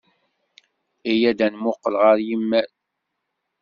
Iyya ad nemmuqqel ɣer yimal.